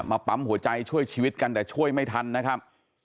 ปั๊มหัวใจช่วยชีวิตกันแต่ช่วยไม่ทันนะครับ